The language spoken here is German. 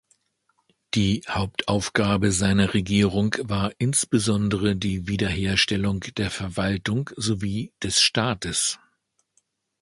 Die Hauptaufgabe seiner Regierung war insbesondere der Wiederherstellung der Verwaltung sowie des Staates.